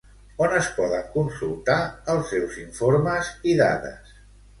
On es poden consultar els seus informes i dades?